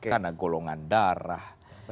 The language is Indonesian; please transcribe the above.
karena golongan darah